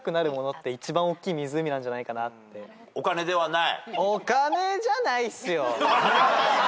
お金ではない？